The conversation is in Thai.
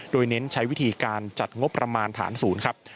โดยเน้นใช้วิธีการจัดงบประมาณฐานศูนย์ครับ